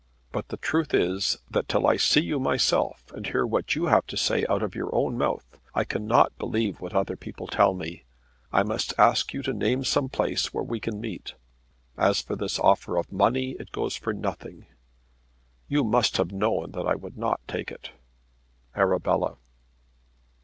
But the truth is that till I see you myself and hear what you have to say out of your own mouth I cannot believe what other people tell me. I must ask you to name some place where we can meet. As for this offer of money, it goes for nothing. You must have known that I would not take it. ARABELLA.